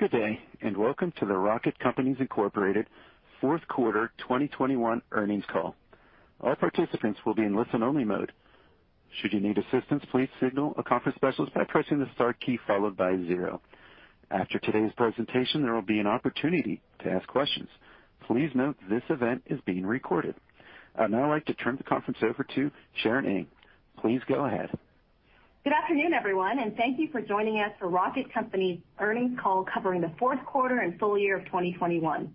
Good day, and welcome to the Rocket Companies, Inc. Fourth Quarter 2021 Earnings Call. All participants will be in listen-only mode. Should you need assistance, please signal a conference specialist by pressing the star key followed by zero. After today's presentation, there will be an opportunity to ask questions. Please note this event is being recorded. I'd now like to turn the conference over to Sharon Ng. Please go ahead. Good afternoon, everyone, and thank you for joining us for Rocket Companies' Earnings Call covering the fourth quarter and full year of 2021.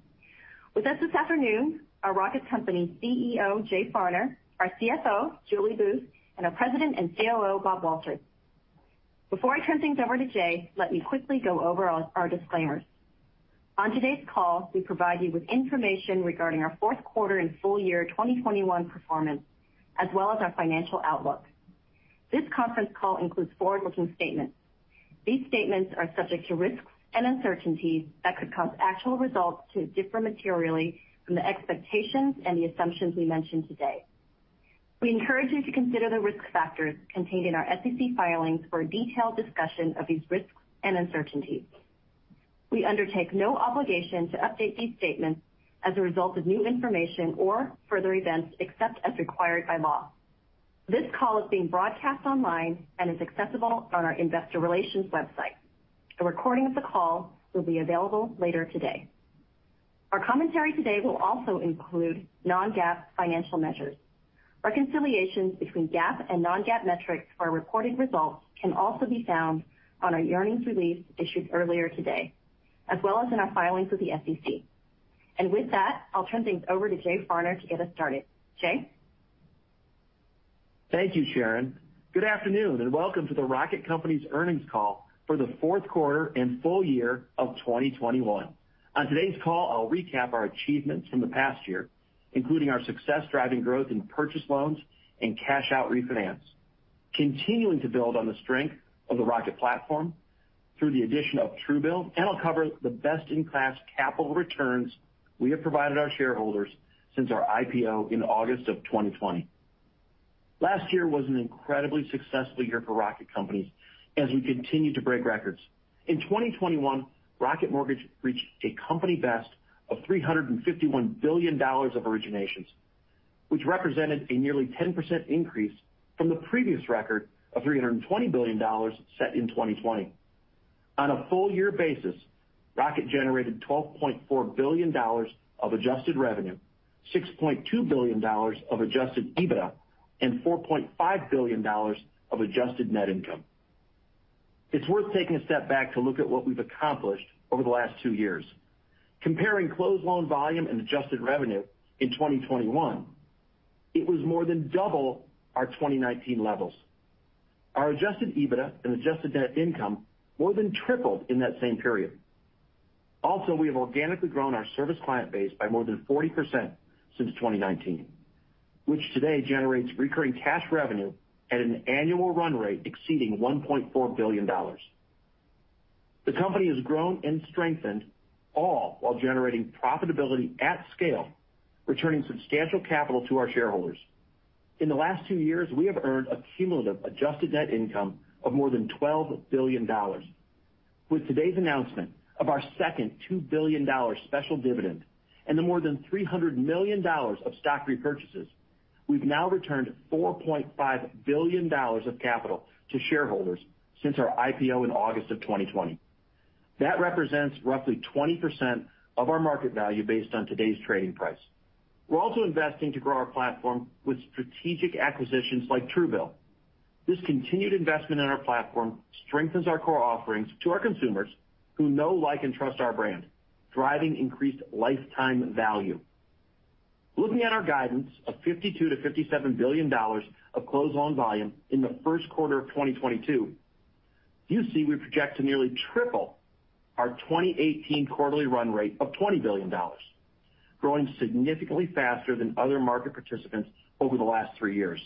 With us this afternoon are Rocket Companies CEO, Jay Farner, our CFO, Julie Booth, and our President and COO, Bob Walters. Before I turn things over to Jay, let me quickly go over our disclaimers. On today's call, we provide you with information regarding our fourth quarter and full year 2021 performance, as well as our financial outlook. This conference call includes forward-looking statements. These statements are subject to risks and uncertainties that could cause actual results to differ materially from the expectations and the assumptions we mention today. We encourage you to consider the risk factors contained in our SEC filings for a detailed discussion of these risks and uncertainties. We undertake no obligation to update these statements as a result of new information or further events except as required by law. This call is being broadcast online and is accessible on our investor relations website. A recording of the call will be available later today. Our commentary today will also include non-GAAP financial measures. Reconciliations between GAAP and non-GAAP metrics for our reported results can also be found on our earnings release issued earlier today, as well as in our filings with the SEC. With that, I'll turn things over to Jay Farner to get us started. Jay? Thank you, Sharon. Good afternoon, and welcome to the Rocket Companies Earnings Call for the fourth quarter and full year of 2021. On today's call, I'll recap our achievements from the past year, including our success driving growth in purchase loans and cash out refinance, continuing to build on the strength of the Rocket platform through the addition of Truebill, and I'll cover the best-in-class capital returns we have provided our shareholders since our IPO in August of 2020. Last year was an incredibly successful year for Rocket Companies as we continued to break records. In 2021, Rocket Mortgage reached a company best of $351 billion of originations, which represented a nearly 10% increase from the previous record of $320 billion set in 2020. On a full year basis, Rocket generated $12.4 billion of Adjusted Revenue, $6.2 billion of Adjusted EBITDA, and $4.5 billion of Adjusted Net Income. It's worth taking a step back to look at what we've accomplished over the last two years. Comparing closed loan volume and Adjusted Revenue in 2021, it was more than double our 2019 levels. Our Adjusted EBITDA and Adjusted Net Income more than tripled in that same period. Also, we have organically grown our service client base by more than 40% since 2019, which today generates recurring cash revenue at an annual run rate exceeding $1.4 billion. The company has grown and strengthened, all while generating profitability at scale, returning substantial capital to our shareholders. In the last two years, we have earned a cumulative Adjusted Net Income of more than $12 billion. With today's announcement of our second $2 billion special dividend and the more than $300 million of stock repurchases, we've now returned $4.5 billion of capital to shareholders since our IPO in August 2020. That represents roughly 20% of our market value based on today's trading price. We're also investing to grow our platform with strategic acquisitions like Truebill. This continued investment in our platform strengthens our core offerings to our consumers who know, like, and trust our brand, driving increased lifetime value. Looking at our guidance of $52 billion-$57 billion of closed loan volume in the first quarter of 2022, you see we project to nearly triple our 2018 quarterly run rate of $20 billion, growing significantly faster than other market participants over the last three years.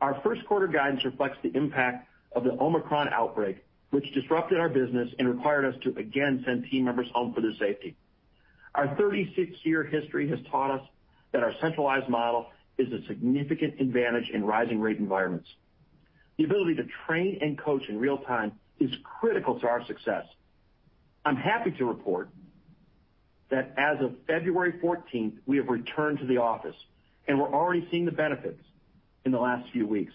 Our first quarter guidance reflects the impact of the Omicron outbreak, which disrupted our business and required us to again send team members home for their safety. Our 36-year history has taught us that our centralized model is a significant advantage in rising rate environments. The ability to train and coach in real time is critical to our success. I'm happy to report that as of February 14th, we have returned to the office, and we're already seeing the benefits in the last few weeks.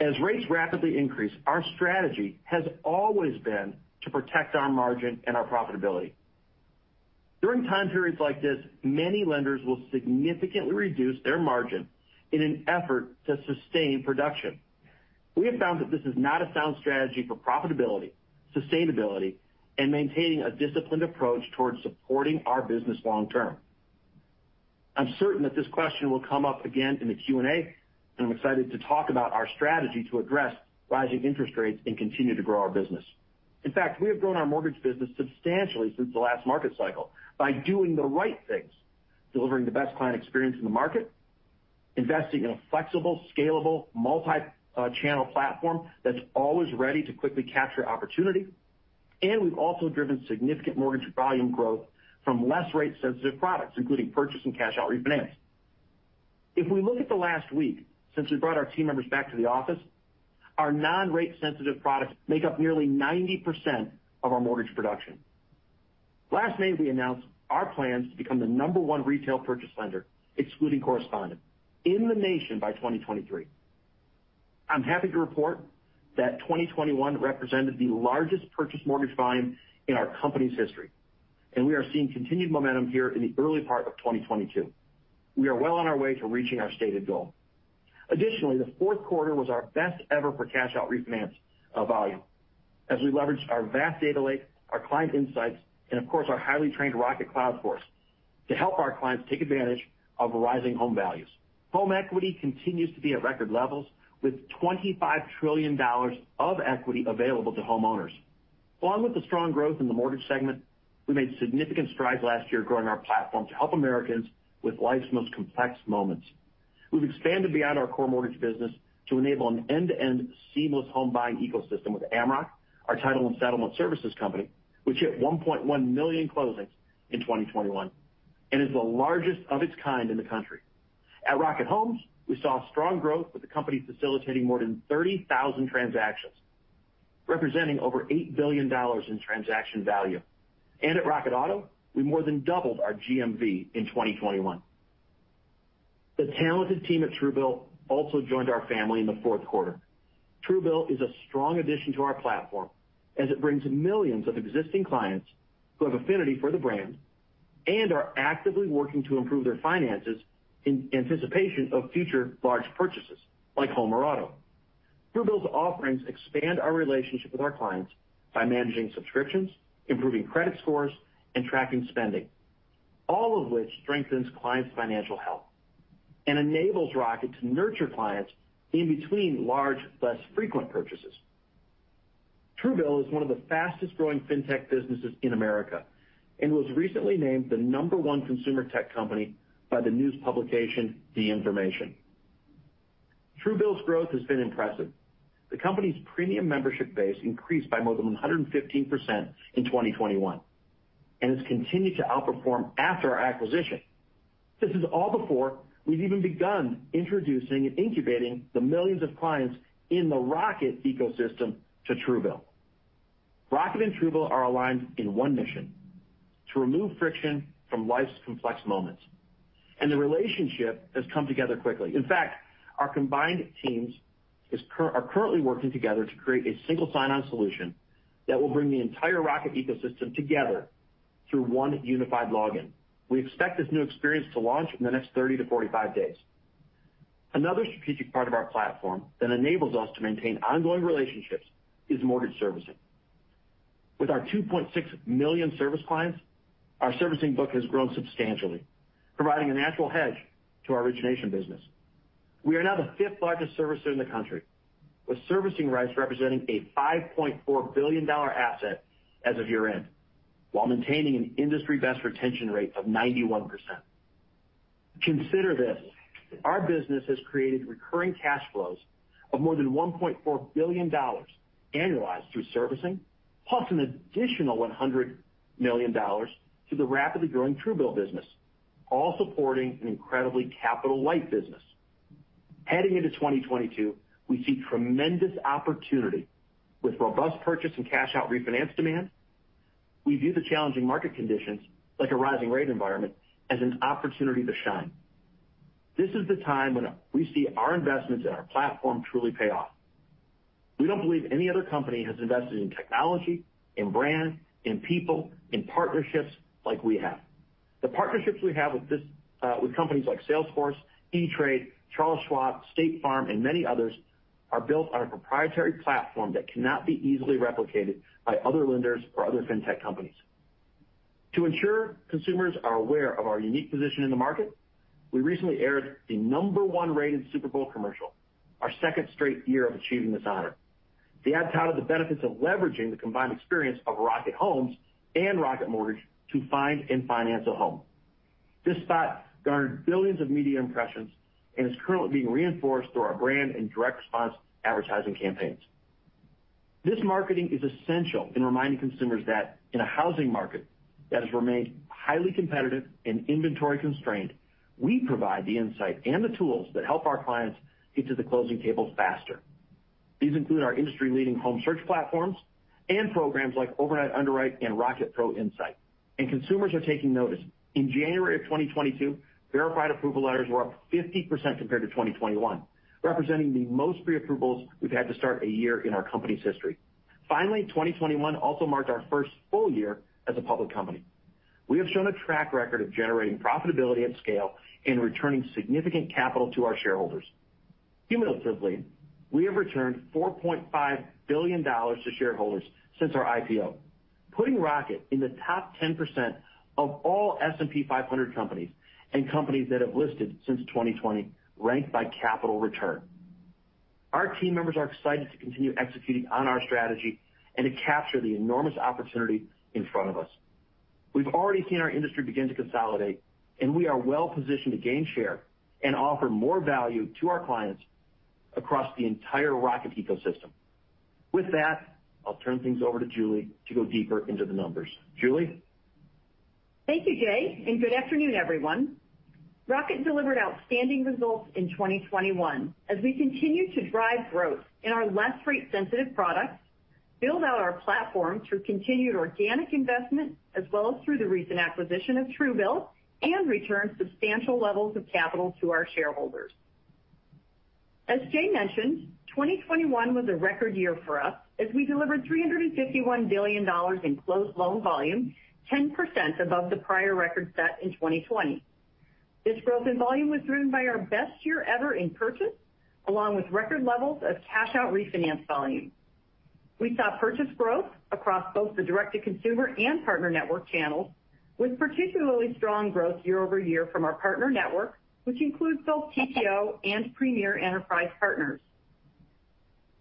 As rates rapidly increase, our strategy has always been to protect our margin and our profitability. During time periods like this, many lenders will significantly reduce their margin in an effort to sustain production. We have found that this is not a sound strategy for profitability, sustainability, and maintaining a disciplined approach towards supporting our business long term. I'm certain that this question will come up again in the Q&A, and I'm excited to talk about our strategy to address rising interest rates and continue to grow our business. In fact, we have grown our mortgage business substantially since the last market cycle by doing the right things, delivering the best client experience in the market, investing in a flexible, scalable, multi-channel platform that's always ready to quickly capture opportunity, and we've also driven significant mortgage volume growth from less rate-sensitive products, including purchase and cash-out refinance. If we look at the last week since we brought our team members back to the office, our non-rate-sensitive products make up nearly 90% of our mortgage production. Last May, we announced our plans to become the number one retail purchase lender, excluding correspondent, in the nation by 2023. I'm happy to report that 2021 represented the largest purchase mortgage volume in our company's history, and we are seeing continued momentum here in the early part of 2022. We are well on our way to reaching our stated goal. Additionally, the fourth quarter was our best ever for cash-out refinance volume as we leveraged our vast data lake, our client insights, and of course, our highly trained Rocket Cloud Force to help our clients take advantage of rising home values. Home equity continues to be at record levels with $25 trillion of equity available to homeowners. Along with the strong growth in the mortgage segment, we made significant strides last year growing our platform to help Americans with life's most complex moments. We've expanded beyond our core mortgage business to enable an end-to-end seamless home buying ecosystem with Amrock, our title and settlement services company, which hit 1.1 million closings in 2021 and is the largest of its kind in the country. At Rocket Homes, we saw strong growth with the company facilitating more than 30,000 transactions, representing over $8 billion in transaction value. At Rocket Auto, we more than doubled our GMV in 2021. The talented team at Truebill also joined our family in the fourth quarter. Truebill is a strong addition to our platform as it brings millions of existing clients who have affinity for the brand and are actively working to improve their finances in anticipation of future large purchases like home or auto. Truebill's offerings expand our relationship with our clients by managing subscriptions, improving credit scores, and tracking spending, all of which strengthens clients' financial health and enables Rocket to nurture clients in between large, less frequent purchases. Truebill is one of the fastest-growing fintech businesses in America and was recently named the number one consumer tech company by the news publication, The Information. Truebill's growth has been impressive. The company's premium membership base increased by more than 115% in 2021, and it's continued to outperform after our acquisition. This is all before we've even begun introducing and incubating the millions of clients in the Rocket ecosystem to Truebill. Rocket and Truebill are aligned in one mission, to remove friction from life's complex moments, and the relationship has come together quickly. In fact, our combined teams are currently working together to create a single sign-on solution that will bring the entire Rocket ecosystem together through one unified login. We expect this new experience to launch in the next 30-45 days. Another strategic part of our platform that enables us to maintain ongoing relationships is mortgage servicing. With our 2.6 million service clients, our servicing book has grown substantially, providing a natural hedge to our origination business. We are now the fifth-largest servicer in the country, with servicing rights representing a $5.4 billion asset as of year-end, while maintaining an industry-best retention rate of 91%. Consider this, our business has created recurring cash flows of more than $1.4 billion annualized through servicing, plus an additional $100 million to the rapidly growing Truebill business, all supporting an incredibly capital-light business. Heading into 2022, we see tremendous opportunity. With robust purchase and cash-out refinance demand, we view the challenging market conditions, like a rising rate environment, as an opportunity to shine. This is the time when we see our investments in our platform truly pay off. We don't believe any other company has invested in technology, in brand, in people, in partnerships like we have. The partnerships we have with this, with companies like Salesforce, E*TRADE, Charles Schwab, State Farm, and many others, are built on a proprietary platform that cannot be easily replicated by other lenders or other fintech companies. To ensure consumers are aware of our unique position in the market, we recently aired the number one-rated Super Bowl commercial, our second straight year of achieving this honor. The ad touted the benefits of leveraging the combined experience of Rocket Homes and Rocket Mortgage to find and finance a home. This spot garnered billions of media impressions and is currently being reinforced through our brand and direct response advertising campaigns. This marketing is essential in reminding consumers that in a housing market that has remained highly competitive and inventory-constrained, we provide the insight and the tools that help our clients get to the closing tables faster. These include our industry-leading home search platforms and programs like Overnight Underwrite and Rocket Pro Insight. Consumers are taking notice. In January 2022, verified approval letters were up 50% compared to 2021, representing the most preapprovals we've had to start a year in our company's history. Finally, 2021 also marked our first full year as a public company. We have shown a track record of generating profitability at scale and returning significant capital to our shareholders. Cumulatively, we have returned $4.5 billion to shareholders since our IPO, putting Rocket in the top 10% of all S&P 500 companies and companies that have listed since 2020 ranked by capital return. Our team members are excited to continue executing on our strategy and to capture the enormous opportunity in front of us. We've already seen our industry begin to consolidate, and we are well-positioned to gain share and offer more value to our clients across the entire Rocket ecosystem. With that, I'll turn things over to Julie to go deeper into the numbers. Julie? Thank you, Jay, and good afternoon, everyone. Rocket delivered outstanding results in 2021 as we continue to drive growth in our less rate sensitive products, build out our platform through continued organic investment as well as through the recent acquisition of Truebill, and return substantial levels of capital to our shareholders. As Jay mentioned, 2021 was a record year for us as we delivered $351 billion in closed loan volume, 10% above the prior record set in 2020. This growth in volume was driven by our best year ever in purchase, along with record levels of cash out refinance volume. We saw purchase growth across both the Direct to Consumer and Partner Network channels, with particularly strong growth year over year from our Partner Network, which includes both TPO and premier enterprise partners.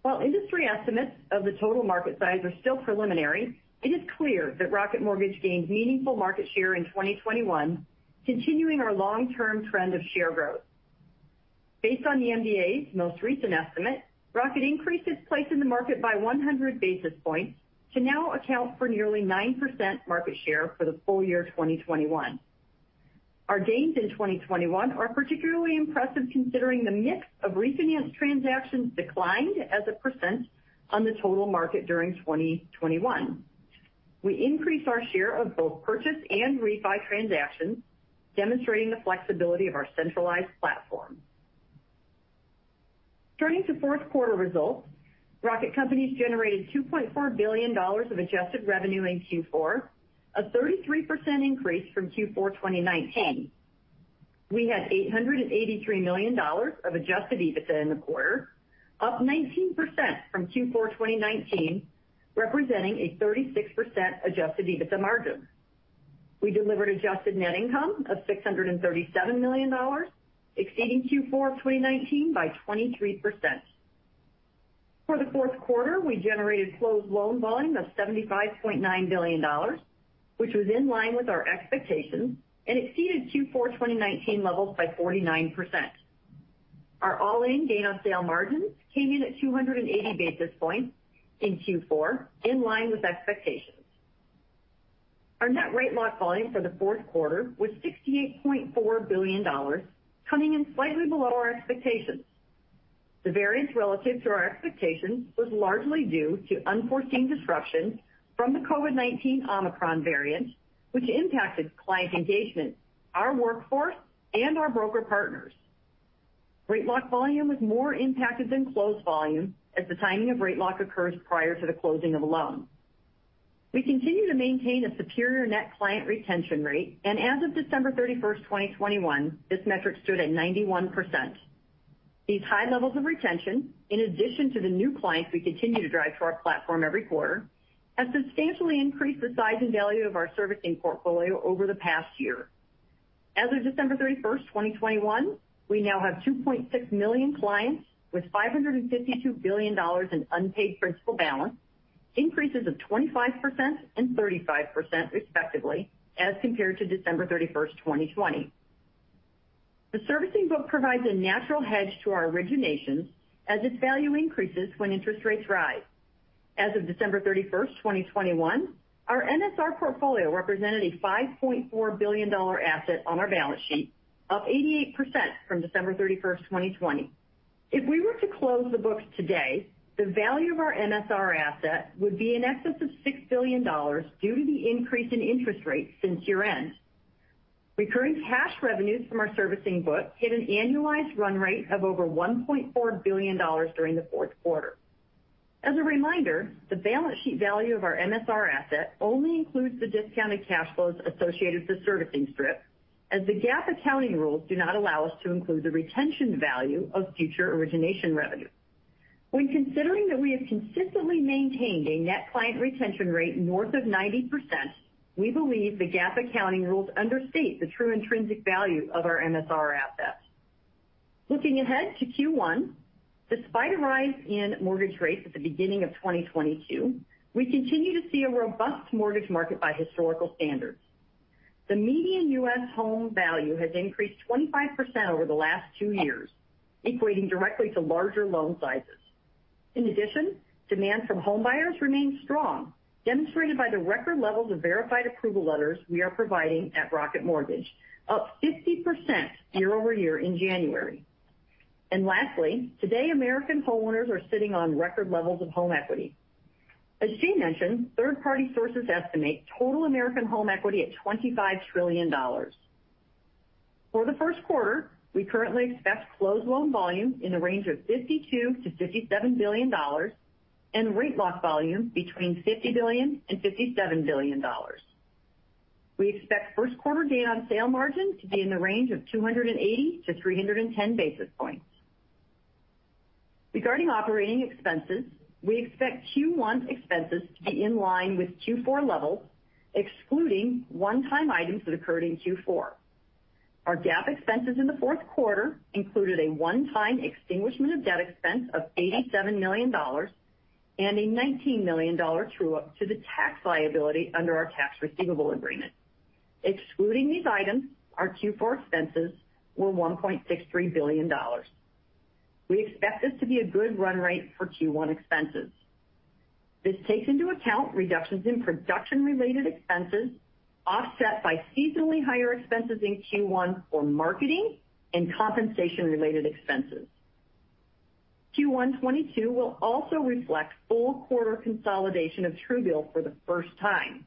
While industry estimates of the total market size are still preliminary, it is clear that Rocket Mortgage gained meaningful market share in 2021, continuing our long-term trend of share growth. Based on the MBA's most recent estimate, Rocket increased its place in the market by 100 basis points to now account for nearly 9% market share for the full year 2021. Our gains in 2021 are particularly impressive considering the mix of refinance transactions declined as a percent on the total market during 2021. We increased our share of both purchase and refi transactions, demonstrating the flexibility of our centralized platform. Turning to fourth quarter results, Rocket Companies generated $2.4 billion of adjusted revenue in Q4, a 33% increase from Q4 2019. We had $883 million of Adjusted EBITDA in the quarter, up 19% from Q4 2019, representing a 36% Adjusted EBITDA margin. We delivered Adjusted Net Income of $637 million, exceeding Q4 2019 by 23%. For the fourth quarter, we generated closed loan volume of $75.9 billion, which was in line with our expectations and exceeded Q4 2019 levels by 49%. Our all-in gain on sale margins came in at 280 basis points in Q4, in line with expectations. Our net rate lock volume for the fourth quarter was $68.4 billion, coming in slightly below our expectations. The variance relative to our expectations was largely due to unforeseen disruptions from the COVID-19 Omicron variant, which impacted client engagement, our workforce, and our broker partners. tRate lock volume was more impacted than closed volume as the timing of rate lock occurs prior to the closing of a loan. We continue to maintain a superior net client retention rate, and as of December 31st, 2021, this metric stood at 91%. These high levels of retention, in addition to the new clients we continue to drive to our platform every quarter, have substantially increased the size and value of our servicing portfolio over the past year. As of December 31s, 2021, we now have 2.6 million clients with $552 billion in unpaid principal balance, increases of 25% and 35% respectively as compared to December 31st, 2020. The servicing book provides a natural hedge to our originations as its value increases when interest rates rise. As of December 31st, 2021, our MSR portfolio represented a $5.4 billion asset on our balance sheet, up 88% from December 31st, 2020. If we were to close the books today, the value of our MSR asset would be in excess of $6 billion due to the increase in interest rates since year-end. Recurring cash revenues from our servicing book hit an annualized run rate of over $1.4 billion during the fourth quarter. As a reminder, the balance sheet value of our MSR asset only includes the discounted cash flows associated to servicing strip, as the GAAP accounting rules do not allow us to include the retention value of future origination revenue. When considering that we have consistently maintained a net client retention rate north of 90%, we believe the GAAP accounting rules understate the true intrinsic value of our MSR assets. Looking ahead to Q1, despite a rise in mortgage rates at the beginning of 2022, we continue to see a robust mortgage market by historical standards. The median U.S. home value has increased 25% over the last two years, equating directly to larger loan sizes. In addition, demand from home buyers remains strong, demonstrated by the record levels of verified approval letters we are providing at Rocket Mortgage, up 50% year-over-year in January. Lastly, today American homeowners are sitting on record levels of home equity. As Jay mentioned, third-party sources estimate total American home equity at $25 trillion. For the first quarter, we currently expect closed loan volume in the range of $52 billion-$57 billion and rate lock volume between $50 billion-$57 billion. We expect first quarter gain on sale margin to be in the range of 280-310 basis points. Regarding operating expenses, we expect Q1 expenses to be in line with Q4 levels, excluding one-time items that occurred in Q4. Our GAAP expenses in the fourth quarter included a one-time extinguishment of debt expense of $87 million and a $19 million true-up to the tax liability under our Tax Receivable Agreement. Excluding these items, our Q4 expenses were $1.63 billion. We expect this to be a good run rate for Q1 expenses. This takes into account reductions in production-related expenses offset by seasonally higher expenses in Q1 for marketing and compensation-related expenses. Q1 2022 will also reflect full quarter consolidation of Truebill for the first time.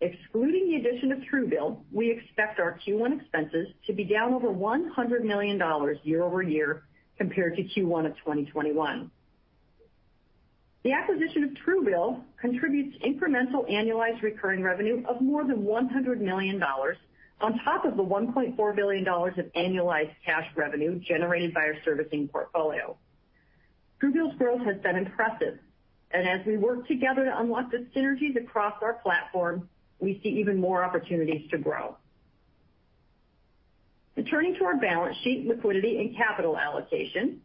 Excluding the addition of Truebill, we expect our Q1 expenses to be down over $100 million year-over-year compared to Q1 of 2021. The acquisition of Truebill contributes incremental annualized recurring revenue of more than $100 million on top of the $1.4 billion of annualized cash revenue generated by our servicing portfolio. Truebill's growth has been impressive, and as we work together to unlock the synergies across our platform, we see even more opportunities to grow. Turning to our balance sheet, liquidity, and capital allocation,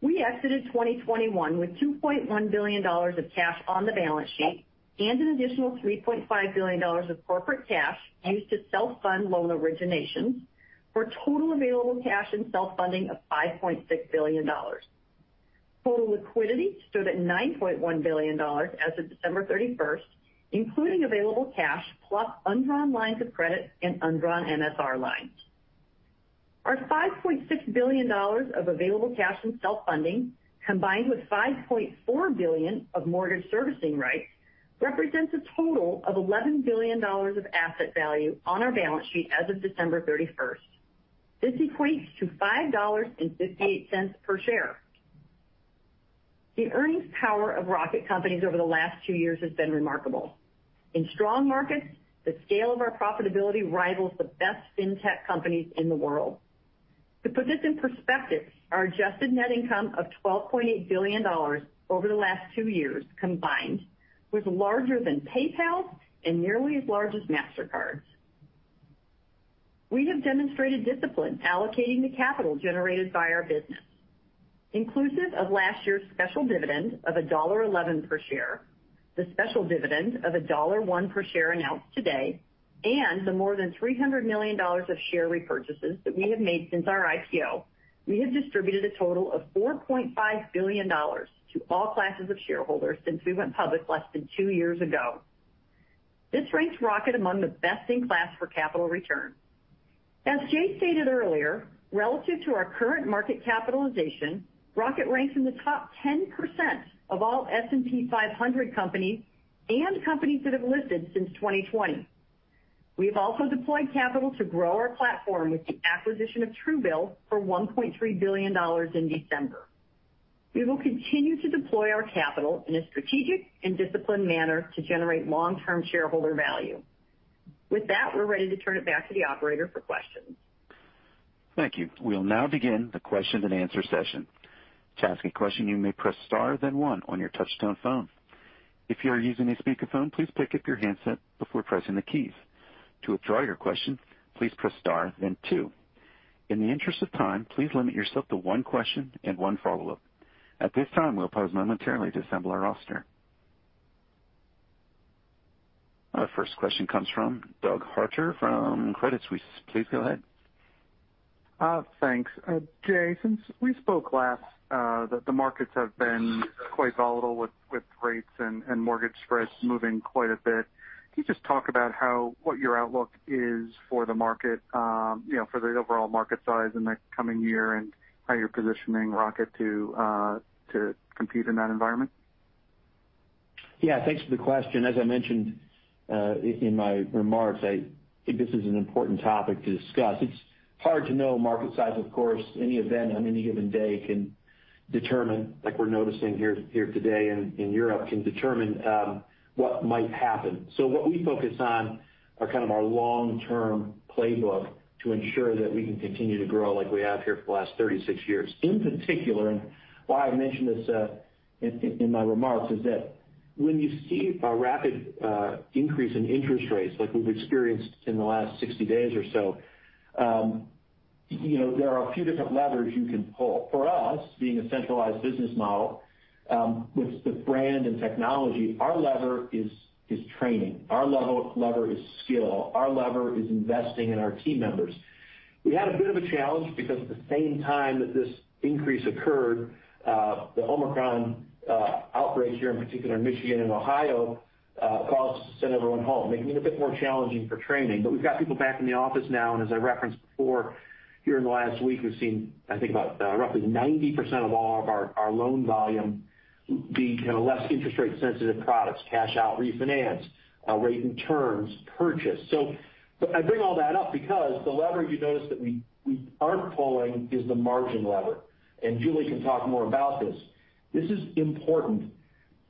we exited 2021 with $2.1 billion of cash on the balance sheet and an additional $3.5 billion of corporate cash used to self-fund loan originations for total available cash and self-funding of $5.6 billion. Total liquidity stood at $9.1 billion as of December 31st, including available cash plus undrawn lines of credit and undrawn MSR lines. Our $5.6 billion of available cash and self-funding, combined with $5.4 billion of mortgage servicing rights, represents a total of $11 billion of asset value on our balance sheet as of December 31st. This equates to $5.58 per share. The earnings power of Rocket Companies over the last two years has been remarkable. In strong markets, the scale of our profitability rivals the best fintech companies in the world. To put this in perspective, our Adjusted Net Income of $12.8 billion over the last two years combined was larger than PayPal's and nearly as large as Mastercard's. We have demonstrated discipline allocating the capital generated by our business. Inclusive of last year's special dividend of $1.11 per share, the special dividend of $1.01 per share announced today, and the more than $300 million of share repurchases that we have made since our IPO, we have distributed a total of $4.5 billion to all classes of shareholders since we went public less than two years ago. This ranks Rocket among the best-in-class for capital return. As Jay stated earlier, relative to our current market capitalization, Rocket ranks in the top 10% of all S&P 500 companies and companies that have listed since 2020. We have also deployed capital to grow our platform with the acquisition of Truebill for $1.3 billion in December. We will continue to deploy our capital in a strategic and disciplined manner to generate long-term shareholder value. With that, we're ready to turn it back to the operator for questions. Thank you. We'll now begin the question-and-answer session. To ask a question, you may press star, then one on your touch-tone phone. If you are using a speakerphone, please pick up your handset before pressing the keys. To withdraw your question, please press star then two. In the interest of time, please limit yourself to one question and one follow-up. At this time, we'll pause momentarily to assemble our roster. Our first question comes from Doug Harter from Credit Suisse. Please go ahead. Thanks. Jay, since we spoke last, the markets have been quite volatile with rates and mortgage spreads moving quite a bit. Can you just talk about what your outlook is for the market, you know, for the overall market size in the coming year and how you're positioning Rocket to compete in that environment? Yeah. Thanks for the question. As I mentioned, in my remarks, I think this is an important topic to discuss. It's hard to know market size, of course. Any event on any given day can determine, like we're noticing here today in Europe, what might happen. What we focus on are kind of our long-term playbook to ensure that we can continue to grow like we have here for the last 36 years. In particular, and why I mentioned this, in my remarks, is that when you see a rapid increase in interest rates like we've experienced in the last 60 days or so, you know, there are a few different levers you can pull. For us, being a centralized business model, with the brand and technology, our lever is training. Our lever is skill. Our lever is investing in our team members. We had a bit of a challenge because at the same time that this increase occurred, the Omicron outbreak here, in particular in Michigan and Ohio, caused us to send everyone home, making it a bit more challenging for training. We've got people back in the office now, and as I referenced before, here in the last week, we've seen, I think, about roughly 90% of all of our loan volume be, you know, less interest rate-sensitive products, cash out refinance, rate and terms purchase. I bring all that up because the lever you notice that we aren't pulling is the margin lever, and Julie can talk more about this. This is important.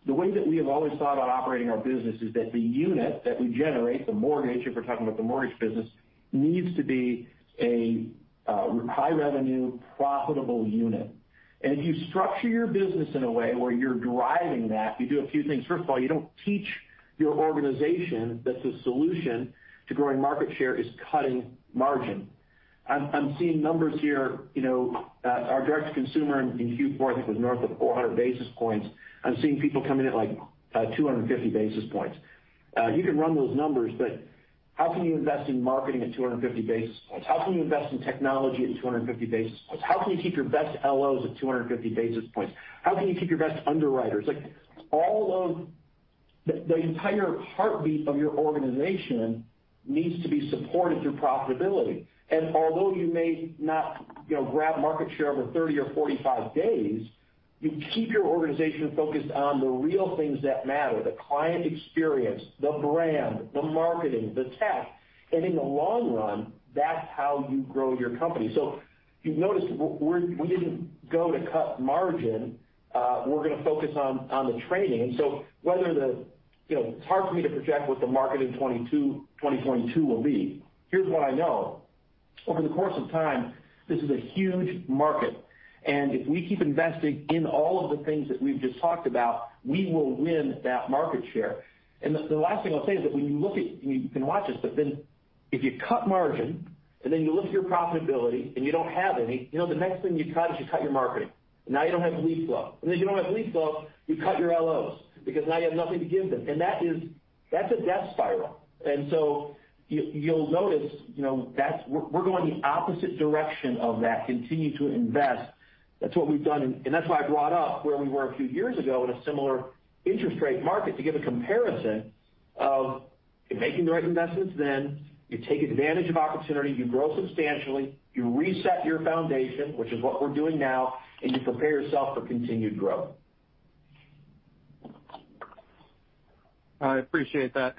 The way that we have always thought about operating our business is that the unit that we generate, the mortgage, if we're talking about the mortgage business, needs to be a high-revenue, profitable unit. If you structure your business in a way where you're driving that, you do a few things. First of all, you don't teach your organization that the solution to growing market share is cutting margin. I'm seeing numbers here, you know, our Direct to Consumer in Q4, I think, was north of 400 basis points. I'm seeing people come in at, like, 250 basis points. You can run those numbers, but how can you invest in marketing at 250 basis points? How can you invest in technology at 250 basis points? How can you keep your best LOs at 250 basis points? How can you keep your best underwriters? Like, all of the entire heartbeat of your organization needs to be supported through profitability. Although you may not, you know, grab market share over 30 or 45 days, you keep your organization focused on the real things that matter, the client experience, the brand, the marketing, the tech. In the long run, that's how you grow your company. You've noticed we didn't go low to cut margin. We're gonna focus on the training. You know, it's hard for me to project what the market in 2022 will be. Here's what I know. Over the course of time, this is a huge market, and if we keep investing in all of the things that we've just talked about, we will win that market share. The last thing I'll say is that when you look at, you can watch this, but then if you cut margin, and then you look at your profitability, and you don't have any, you know, the next thing you try to do is you cut your marketing. Now you don't have lead flow. If you don't have lead flow, you cut your LOs because now you have nothing to give them. That is, that's a death spiral. You'll notice, you know, that's, we're going the opposite direction of that, continue to invest. That's what we've done. That's why I brought up where we were a few years ago in a similar interest rate market to give a comparison of making the right investments then. You take advantage of opportunity, you grow substantially, you reset your foundation, which is what we're doing now, and you prepare yourself for continued growth. I appreciate that.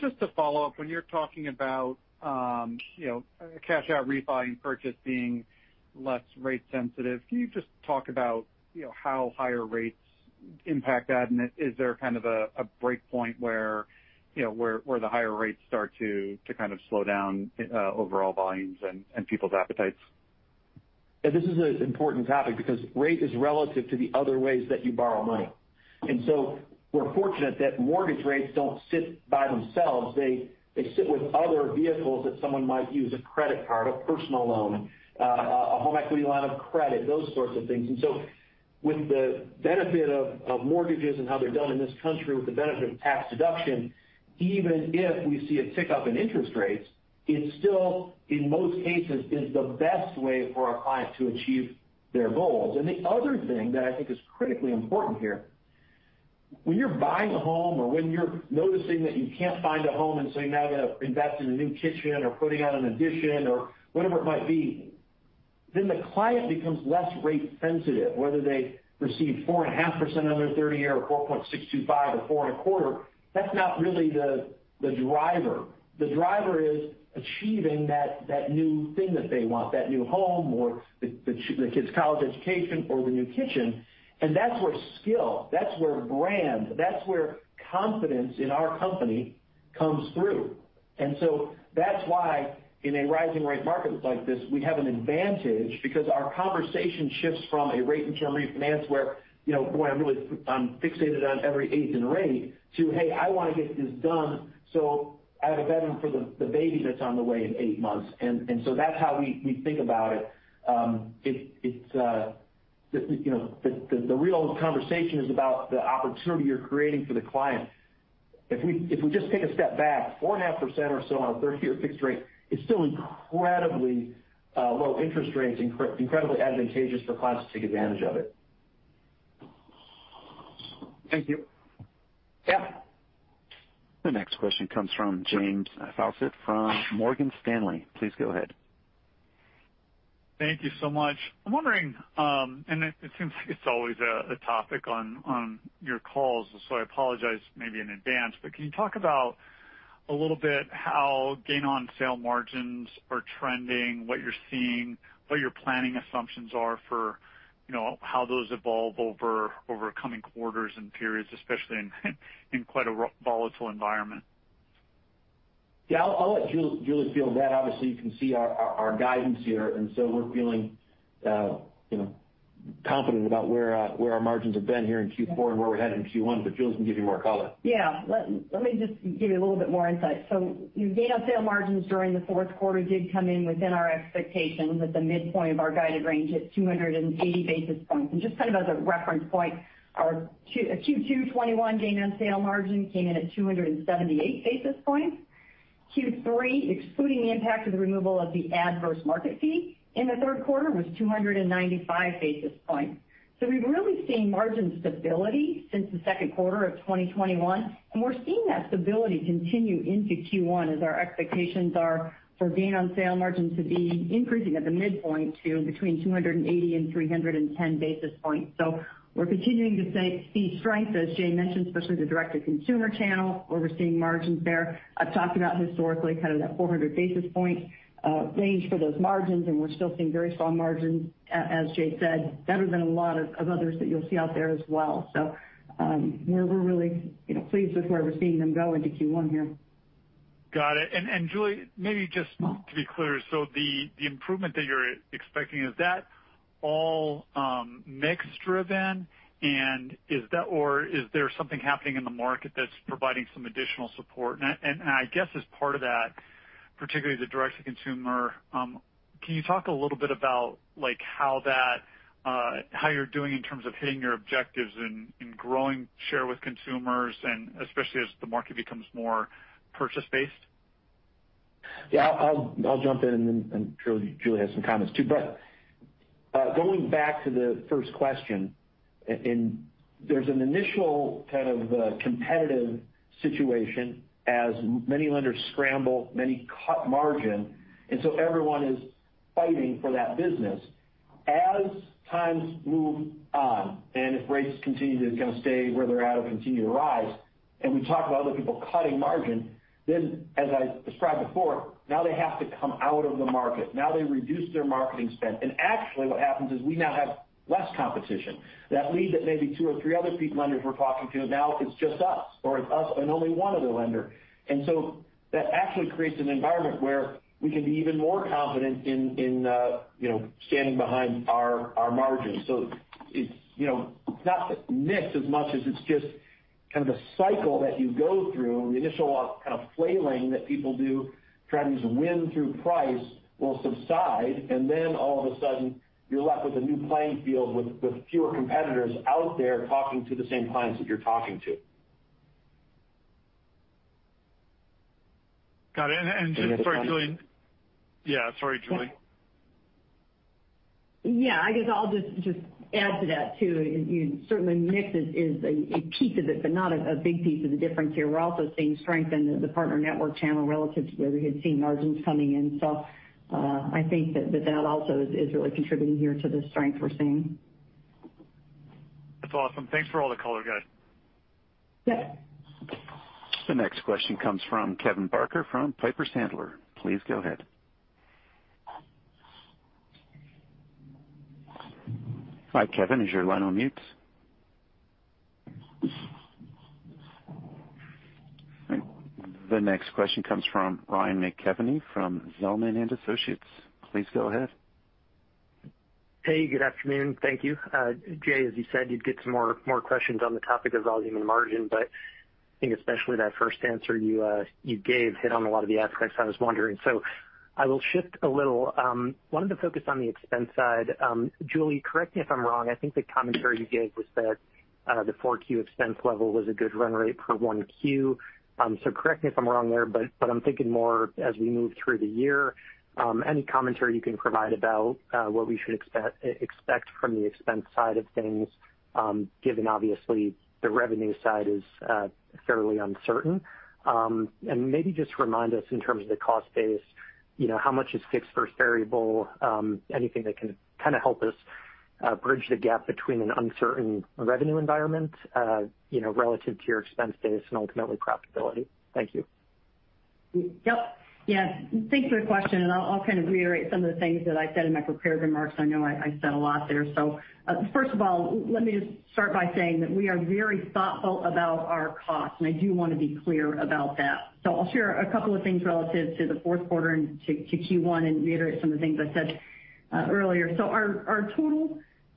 Just to follow up, when you're talking about, you know, cash out refi and purchase being less rate sensitive, can you just talk about, you know, how higher rates impact that? Is there kind of a break point where, you know, where the higher rates start to kind of slow down overall volumes and people's appetites? Yeah, this is an important topic because rate is relative to the other ways that you borrow money. We're fortunate that mortgage rates don't sit by themselves. They sit with other vehicles that someone might use, a credit card, a personal loan, a home equity line of credit, those sorts of things. With the benefit of mortgages and how they're done in this country, with the benefit of tax deduction, even if we see a tick up in interest rates, it's still, in most cases, is the best way for our clients to achieve their goals. The other thing that I think is critically important here, when you're buying a home or when you're noticing that you can't find a home and so you now gotta invest in a new kitchen or putting on an addition or whatever it might be, then the client becomes less rate sensitive. Whether they receive 4.5% on their 30-year or 4.625 or 4.25, that's not really the driver. The driver is achieving that new thing that they want, that new home or the kids' college education or the new kitchen. That's where skill, that's where brand, that's where confidence in our company comes through. That's why in a rising rate markets like this, we have an advantage because our conversation shifts from a rate and term refinance where, you know, boy, I'm fixated on every eighth in rate to, "Hey, I wanna get this done, so I have a bedroom for the baby that's on the way in eight months." That's how we think about it. It's the real conversation is about the opportunity you're creating for the client. If we just take a step back, 4.5% or so on a 30-year fixed rate is still incredibly low interest rates, incredibly advantageous for clients to take advantage of it. Thank you. Yeah. The next question comes from James Faucette from Morgan Stanley. Please go ahead. Thank you so much. I'm wondering, and it seems like it's always a topic on your calls, so I apologize maybe in advance. Can you talk about a little bit how gain on sale margins are trending, what you're seeing, what your planning assumptions are for how those evolve over coming quarters and periods, especially in quite a volatile environment? Yeah. I'll let Julie field that. Obviously, you can see our guidance here, and so we're feeling, you know, confident about where our margins have been here in Q4 and where we're headed in Q1. Julie can give you more color. Yeah. Let me just give you a little bit more insight. Gain on sale margins during the fourth quarter did come in within our expectation, with the midpoint of our guided range at 280 basis points. Just kind of as a reference point, our Q2 2021 gain on sale margin came in at 278 basis points. Q3, excluding the impact of the removal of the Adverse Market Fee in the third quarter, was 295 basis points. We've really seen margin stability since the second quarter of 2021, and we're seeing that stability continue into Q1 as our expectations are for gain on sale margins to be increasing at the midpoint to between 280 and 310 basis points. We're continuing to see strength, as Jay mentioned, especially the Direct to Consumer channel where we're seeing margins there. I've talked about historically kind of that 400 basis point range for those margins, and we're still seeing very strong margins, as Jay said, better than a lot of others that you'll see out there as well. We're really, you know, pleased with where we're seeing them go into Q1 here. Got it. Julie, maybe just to be clear, so the improvement that you're expecting, is that all mix driven or is there something happening in the market that's providing some additional support? I guess as part of that, particularly the Direct to Consumer, can you talk a little bit about like how that, how you're doing in terms of hitting your objectives and growing share with consumers, and especially as the market becomes more purchase-based? I'll jump in, and then I'm sure Julie has some comments too. going back to the first question, and there's an initial kind of competitive situation as many lenders scramble, many cut margin, and so everyone is fighting for that business. As times move on, and if rates continue to kind of stay where they're at or continue to rise, and we talk about other people cutting margin, then as I described before, now they have to come out of the market. Now they reduce their marketing spend. actually, what happens is we now have less competition. That means that maybe two or three other lenders we're talking to, now it's just us, or it's us and only one other lender. That actually creates an environment where we can be even more confident in you know standing behind our margins. It's you know not mix as much as it's just kind of a cycle that you go through. The initial kind of flailing that people do trying to win through price will subside, and then all of a sudden you're left with a new playing field with fewer competitors out there talking to the same clients that you're talking to. Got it. Just sorry, Julie. Yeah, sorry, Julie. Yeah. I guess I'll just add to that, too. Certainly mix is a piece of it, but not a big piece of the difference here. We're also seeing strength in the Partner Network channel relative to where we had seen margins coming in. I think that also is really contributing here to the strength we're seeing. That's awesome. Thanks for all the color, guys. Yeah. The next question comes from Kevin Barker from Piper Sandler. Please go ahead. Hi, Kevin. Is your line on mute? The next question comes from Ryan McKeveny from Zelman & Associates. Please go ahead. Hey, good afternoon. Thank you. Jay, as you said, you'd get some more questions on the topic of volume and margin, but I think especially that first answer you gave hit on a lot of the aspects I was wondering. I will shift a little. I wanted to focus on the expense side. Julie, correct me if I'm wrong, I think the commentary you gave was that, the Q4 expense level was a good run rate per Q1. Correct me if I'm wrong there, but I'm thinking more as we move through the year, any commentary you can provide about, what we should expect from the expense side of things, given obviously the revenue side is fairly uncertain. Maybe just remind us in terms of the cost base, you know, how much is fixed versus variable, anything that can kind of help us bridge the gap between an uncertain revenue environment, you know, relative to your expense base and ultimately profitability. Thank you. Yep. Yeah, thanks for the question, and I'll kind of reiterate some of the things that I said in my prepared remarks. I know I said a lot there. First of all, let me just start by saying that we are very thoughtful about our costs, and I do want to be clear about that. I'll share a couple of things relative to the fourth quarter and to Q1 and reiterate some of the things I said earlier. Our total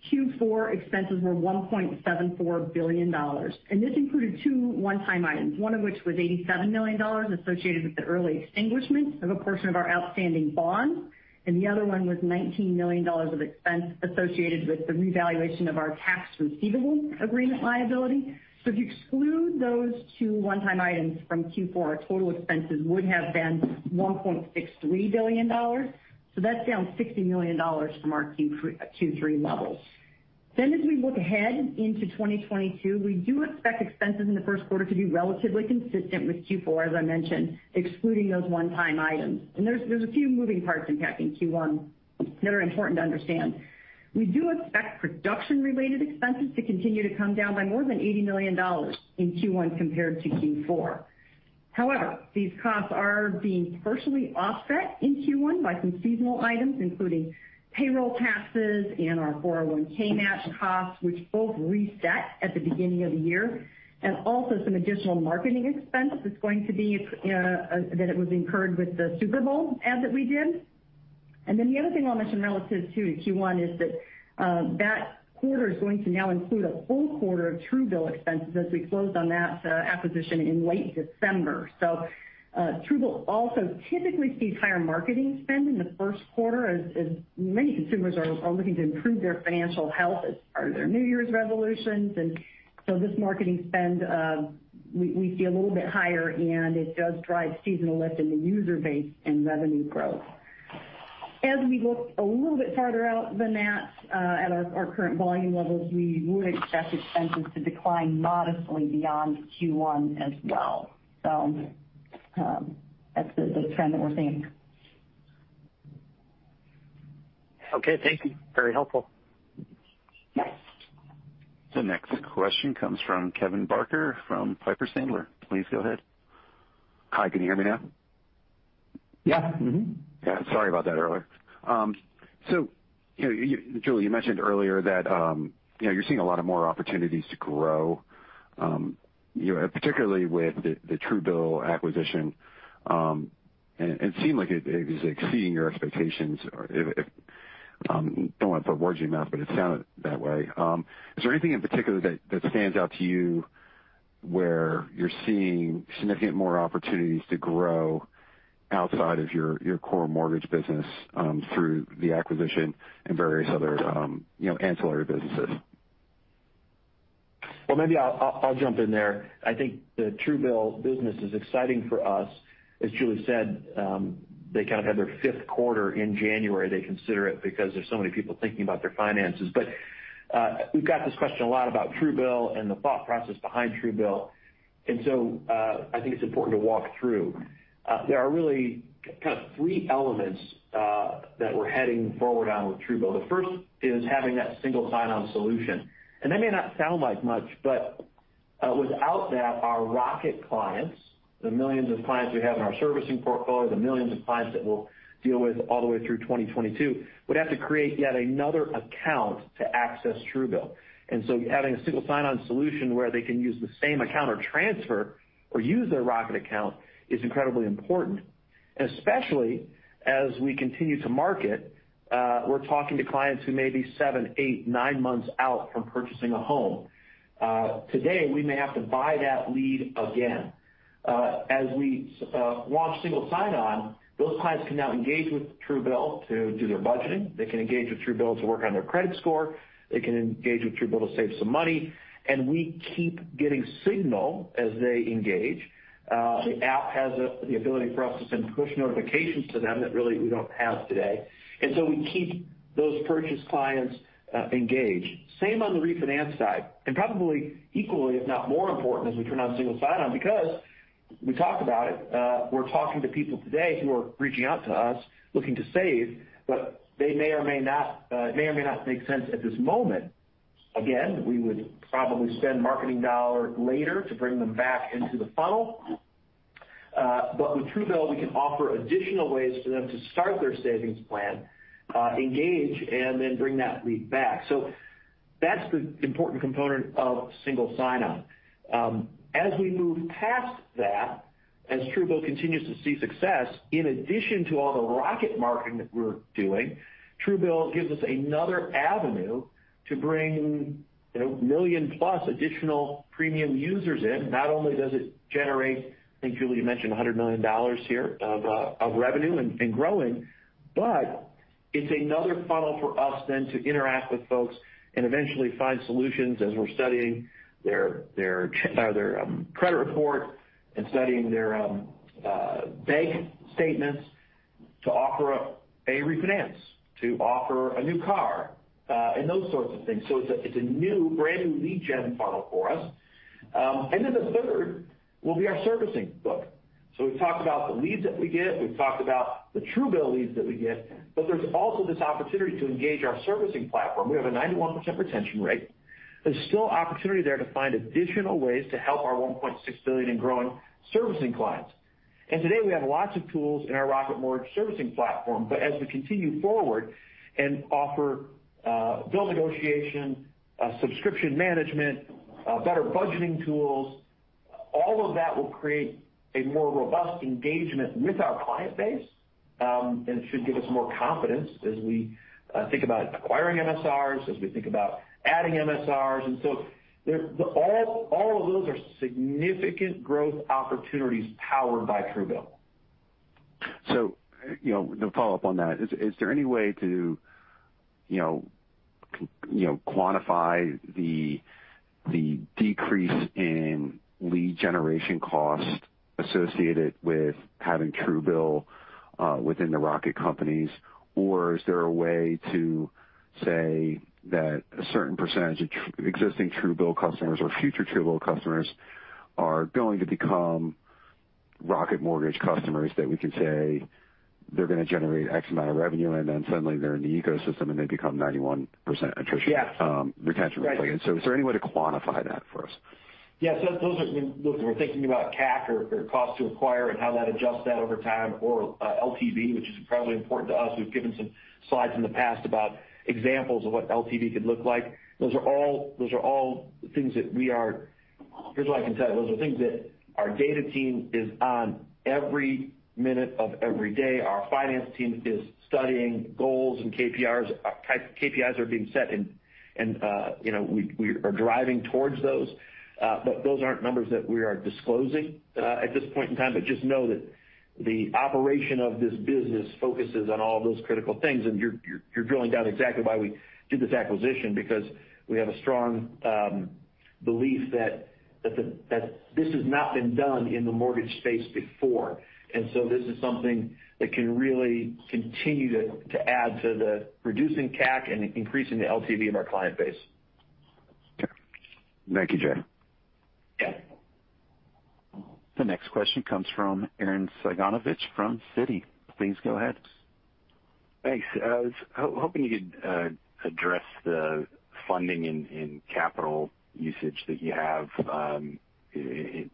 Q4 expenses were $1.74 billion, and this included two one-time items, one of which was $87 million associated with the early extinguishment of a portion of our outstanding bonds, and the other one was $19 million of expense associated with the revaluation of our Tax Receivable Agreement liability. If you exclude those two one-time items from Q4, our total expenses would have been $1.63 billion. That's down $60 million from our Q3 levels. As we look ahead into 2022, we do expect expenses in the first quarter to be relatively consistent with Q4, as I mentioned, excluding those one-time items. There's a few moving parts impacting Q1 that are important to understand. We do expect production-related expenses to continue to come down by more than $80 million in Q1 compared to Q4. However, these costs are being partially offset in Q1 by some seasonal items, including payroll taxes and our 401(k) match costs, which both reset at the beginning of the year, and also some additional marketing expense that was incurred with the Super Bowl ad that we did. Then the other thing I'll mention relative to Q1 is that that quarter is going to now include a full quarter of Truebill expenses as we closed on that acquisition in late December. Truebill also typically sees higher marketing spend in the first quarter as many consumers are looking to improve their financial health as part of their New Year's resolutions. This marketing spend we see a little bit higher and it does drive seasonal lift in the user base and revenue growth. As we look a little bit farther out than that at our current volume levels, we would expect expenses to decline modestly beyond Q1 as well. That's the trend that we're seeing. Okay, thank you. Very helpful. Yes. The next question comes from Kevin Barker from Piper Sandler. Please go ahead. Hi, can you hear me now? Yeah. Mm-hmm. Yeah, sorry about that earlier. You know, you, Julie, you mentioned earlier that, you know, you're seeing a lot more opportunities to grow, you know, particularly with the Truebill acquisition. It seemed like it is exceeding your expectations. If don't wanna put words in your mouth, but it sounded that way. Is there anything in particular that stands out to you where you're seeing significant more opportunities to grow outside of your core mortgage business through the acquisition and various other, you know, ancillary businesses? Well, maybe I'll jump in there. I think the Truebill business is exciting for us. As Julie said, they kind of had their fifth quarter in January, they consider it, because there's so many people thinking about their finances. We've got this question a lot about Truebill and the thought process behind Truebill. I think it's important to walk through. There are really kind of three elements that we're heading forward on with Truebill. The first is having that single sign-on solution. That may not sound like much, but without that, our Rocket clients, the millions of clients we have in our servicing portfolio, the millions of clients that we'll deal with all the way through 2022, would have to create yet another account to access Truebill. Having a single sign-on solution where they can use the same account or transfer or use their Rocket account is incredibly important. Especially as we continue to market, we're talking to clients who may be seven, eight, nine months out from purchasing a home. Today, we may have to buy that lead again. As we launch single sign-on, those clients can now engage with Truebill to do their budgeting. They can engage with Truebill to work on their credit score. They can engage with Truebill to save some money. We keep getting signal as they engage. The app has the ability for us to send push notifications to them that really we don't have today. We keep those purchase clients engaged. Same on the refinance side. Probably equally, if not more important as we turn on single sign-on because we talked about it, we're talking to people today who are reaching out to us looking to save, but they may or may not, it may or may not make sense at this moment. Again, we would probably spend marketing dollar later to bring them back into the funnel. But with Truebill, we can offer additional ways for them to start their savings plan, engage, and then bring that lead back. So that's the important component of single sign-on. As we move past that, as Truebill continues to see success, in addition to all the Rocket marketing that we're doing, Truebill gives us another avenue to bring, you know, million-plus additional premium users in. Not only does it generate, I think, Julie, you mentioned $100 million here of revenue and growing, but it's another funnel for us then to interact with folks and eventually find solutions as we're studying their credit report and studying their bank statements to offer up a refinance, to offer a new car, and those sorts of things. It's a new brand new lead gen funnel for us. The third will be our servicing book. We've talked about the leads that we get. We've talked about the Truebill leads that we get, but there's also this opportunity to engage our servicing platform. We have a 91% retention rate. There's still opportunity there to find additional ways to help our 1.6 billion and growing servicing clients. Today, we have lots of tools in our Rocket Mortgage servicing platform. As we continue forward and offer bill negotiation, subscription management, better budgeting tools, all of that will create a more robust engagement with our client base and should give us more confidence as we think about acquiring MSRs, as we think about adding MSRs. All of those are significant growth opportunities powered by Truebill. You know, to follow up on that, is there any way to, you know, quantify the decrease in lead generation costs associated with having Truebill within the Rocket Companies? Or is there a way to say that a certain percentage of existing Truebill customers or future Truebill customers are going to become Rocket Mortgage customers that we can say they're gonna generate X amount of revenue, and then suddenly they're in the ecosystem, and they become 91% attrition- Yes. retention rate? Right. Is there any way to quantify that for us? Yes. Those are. I mean, look, we're thinking about CAC or cost to acquire and how that adjusts that over time or LTV, which is incredibly important to us. We've given some slides in the past about examples of what LTV could look like. Those are all things that we are. Here's what I can tell you. Those are things that our data team is on every minute of every day. Our finance team is studying goals and KPIs. KPIs are being set, and you know, we are driving towards those. Those aren't numbers that we are disclosing at this point in time. Just know that the operation of this business focuses on all of those critical things, and you're drilling down exactly why we did this acquisition because we have a strong belief that this has not been done in the mortgage space before. This is something that can really continue to add to the reducing CAC and increasing the LTV of our client base. Okay. Thank you, Jay. Yeah. The next question comes from Arren Cyganovich from Citi. Please go ahead. Thanks. I was hoping you could address the funding and capital usage that you have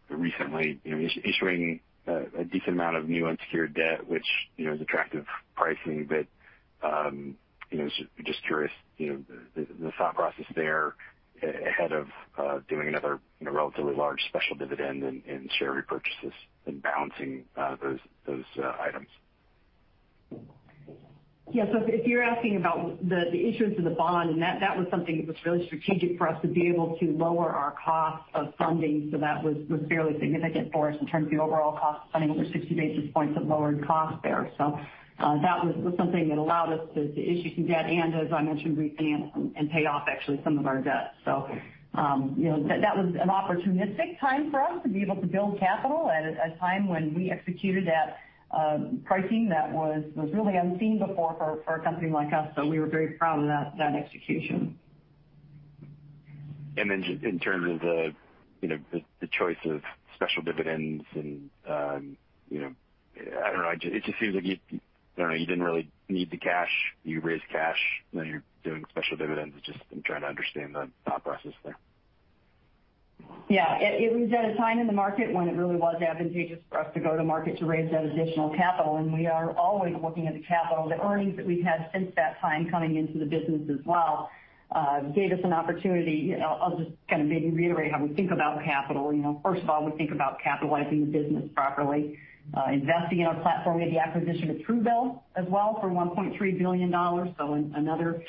recently, you know, issuing a decent amount of new unsecured debt, which, you know, is attractive pricing. You know, just curious, you know, the thought process there ahead of doing another, you know, relatively large special dividend and share repurchases and balancing those items. Yes. If you're asking about the issuance of the bond, and that was something that was really strategic for us to be able to lower our cost of funding. That was fairly significant for us in terms of the overall cost of funding over 60 basis points of lowered cost there. That was something that allowed us to issue some debt, and as I mentioned, refinance and pay off actually some of our debt. You know, that was an opportunistic time for us to be able to build capital at a time when we executed that pricing that was really unseen before for a company like us. We were very proud of that execution. In terms of the you know the choice of special dividends and you know I don't know it just seems like you know you didn't really need the cash you raised cash now you're doing special dividends. Just, I'm trying to understand the thought process there. Yeah, it was at a time in the market when it really was advantageous for us to go to market to raise that additional capital. We are always looking at the capital. The earnings that we've had since that time coming into the business as well gave us an opportunity. You know, I'll just kind of maybe reiterate how we think about capital. You know, first of all, we think about capitalizing the business properly, investing in our platform. We had the acquisition of Truebill as well for $1.3 billion. Another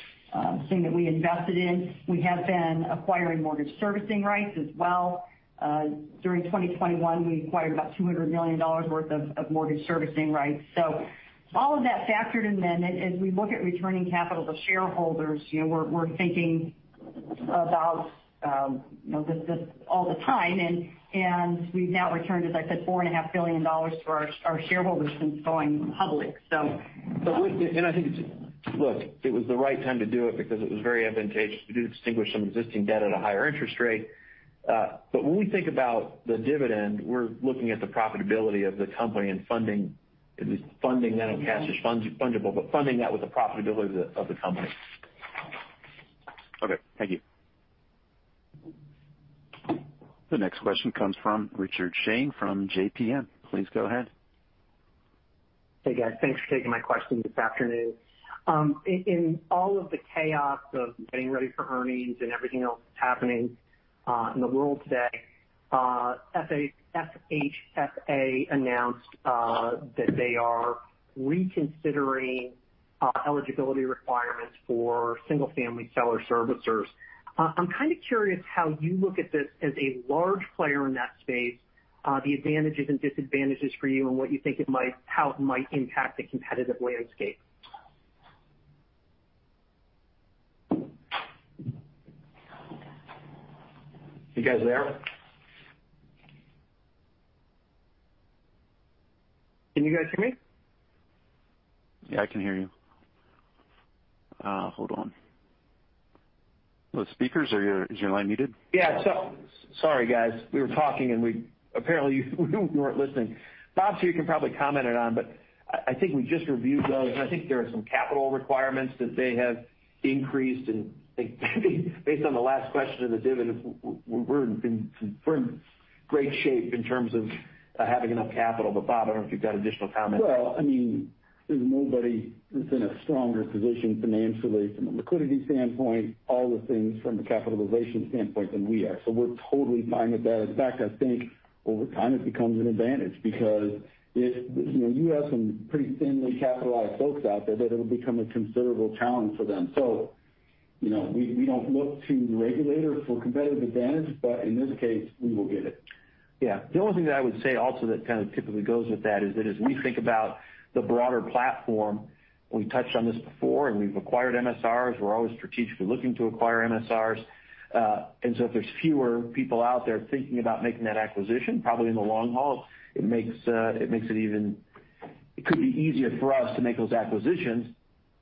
thing that we invested in. We have been acquiring mortgage servicing rights as well. During 2021, we acquired about $200 million worth of mortgage servicing rights. All of that factored in then. As we look at returning capital to shareholders, you know, we're thinking about, you know, this all the time. We've now returned, as I said, $4.5 billion to our shareholders since going public. I think it's. Look, it was the right time to do it because it was very advantageous. We did extinguish some existing debt at a higher interest rate. But when we think about the dividend, we're looking at the profitability of the company and funding that, and cash is fundable, but funding that with the profitability of the company. Okay, thank you. The next question comes from Richard Shane from JPM. Please go ahead. Hey, guys. Thanks for taking my question this afternoon. In all of the chaos of getting ready for earnings and everything else that's happening in the world today, FHFA announced that they are reconsidering eligibility requirements for single-family seller servicers. I'm kind of curious how you look at this as a large player in that space, the advantages and disadvantages for you and what you think how it might impact the competitive landscape. You guys there? Can you guys hear me? Yeah, I can hear you. Hold on. Is your line muted? Yeah, sorry, guys. We were talking, and apparently we weren't listening. Bob, you can probably comment on it, but I think we just reviewed those, and I think there are some capital requirements that they have increased. I think based on the last question of the dividend, we're in great shape in terms of having enough capital. Bob, I don't know if you've got additional comments. Well, I mean, there's nobody that's in a stronger position financially from a liquidity standpoint, all the things from a capitalization standpoint than we are. We're totally fine with that. In fact, I think over time, it becomes an advantage because if, you know, you have some pretty thinly capitalized folks out there that it'll become a considerable challenge for them. You know, we don't look to the regulator for competitive advantage, but in this case, we will get it. Yeah. The only thing that I would say also that kind of typically goes with that is that as we think about the broader platform, we touched on this before, and we've acquired MSRs. We're always strategically looking to acquire MSRs. If there's fewer people out there thinking about making that acquisition, probably in the long haul, it makes it even easier for us to make those acquisitions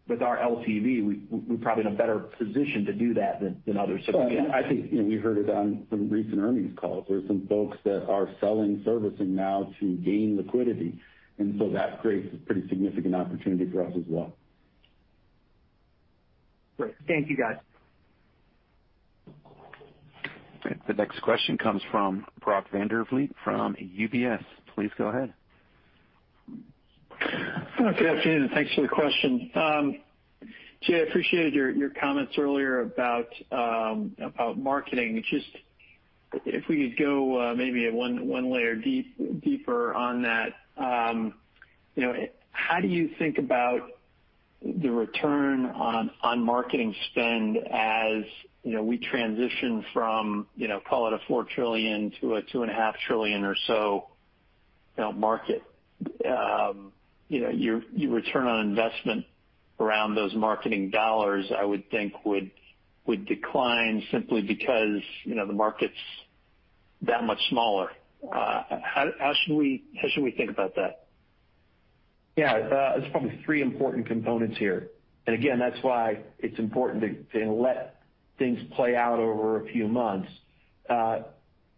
with our LTV. We're probably in a better position to do that than others. Well, I think, you know, you heard it on some recent earnings calls. There are some folks that are selling servicing now to gain liquidity, and so that creates a pretty significant opportunity for us as well. Great. Thank you, guys. The next question comes from Brock Vandervliet from UBS. Please go ahead. Good afternoon, and thanks for the question. Jay, I appreciated your comments earlier about marketing. Just if we could go maybe one layer deeper on that. You know, how do you think about the return on marketing spend, as you know, we transition from you know, call it a $4 trillion to a $2.5 trillion or so market. You know, your return on investment around those marketing dollars, I would think would decline simply because you know, the market's that much smaller. How should we think about that? Yeah. There's probably three important components here. Again, that's why it's important to let things play out over a few months.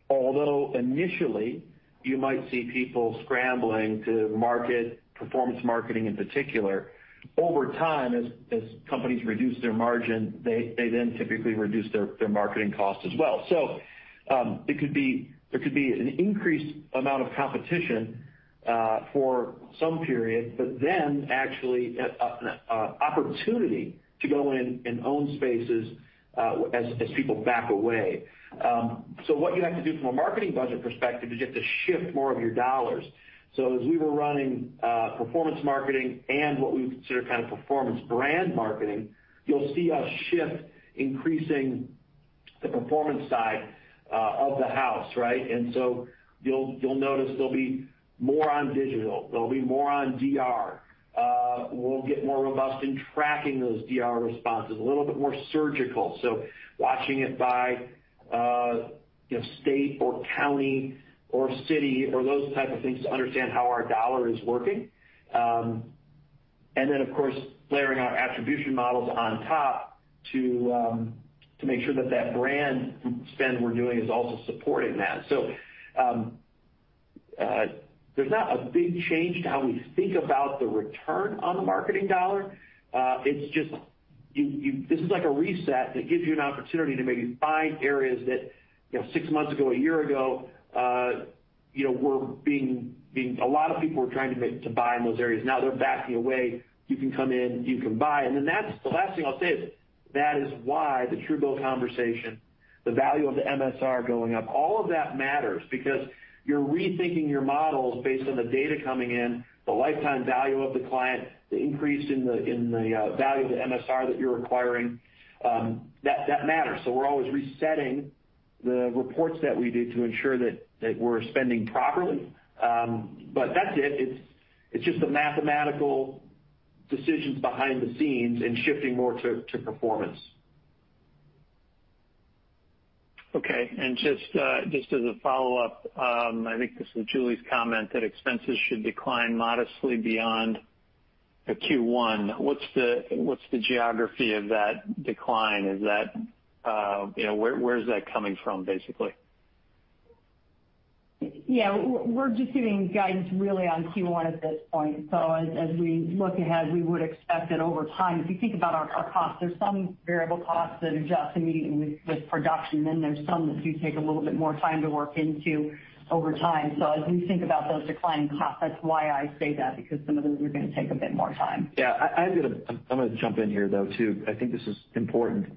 Although initially, you might see people scrambling to market, performance marketing in particular, over time, as companies reduce their margin, they then typically reduce their marketing costs as well. There could be an increased amount of competition for some period, but then actually, an opportunity to go in and own spaces, as people back away. What you have to do from a marketing budget perspective is you have to shift more of your dollars. As we were running performance marketing and what we would consider kind of performance brand marketing, you'll see us shift, increasing the performance side of the house, right? You'll notice there'll be more on digital, there'll be more on DR. We'll get more robust in tracking those DR responses, a little bit more surgical. Watching it by, you know, state or county or city or those type of things to understand how our dollar is working. Of course, layering our attribution models on top to make sure that brand spend we're doing is also supporting that. There's not a big change to how we think about the return on the marketing dollar. It's just you, this is like a reset that gives you an opportunity to maybe find areas that, you know, six months ago, a year ago, you know, were being a lot of people were trying to buy in those areas. Now they're backing away. You can come in, you can buy. Then that's the last thing I'll say is that is why the Truebill conversation, the value of the MSR going up, all of that matters because you're rethinking your models based on the data coming in, the lifetime value of the client, the increase in the value of the MSR that you're acquiring, that matters. We're always resetting the reports that we do to ensure that we're spending properly. That's it. It's just the mathematical decisions behind the scenes and shifting more to performance. Okay. Just as a follow-up, I think this is Julie's comment, that expenses should decline modestly beyond the Q1. What's the geography of that decline? Is that, you know, where is that coming from, basically? Yeah. We're just giving guidance really on Q1 at this point. As we look ahead, we would expect that over time, if you think about our costs, there's some variable costs that adjust immediately with production, then there's some that do take a little bit more time to work into over time. As we think about those declining costs, that's why I say that, because some of those are going to take a bit more time. Yeah. I'm gonna jump in here, though, too. I think this is important.